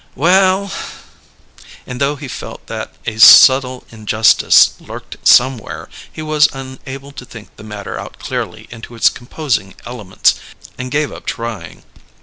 "Well " And though he felt that a subtle injustice lurked somewhere, he was unable to think the matter out clearly into its composing elements, and gave up trying.